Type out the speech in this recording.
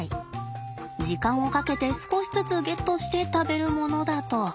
時間をかけて少しずつゲットして食べるものだと。